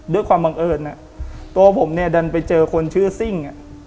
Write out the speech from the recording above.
ด้วยความบังเอิญตัวผมเนี่ยดันไปเจอคนชื่อซิ่ง